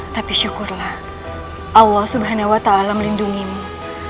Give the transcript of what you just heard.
tapi syukurlah allah subhanahu wa ta'ala melindungimu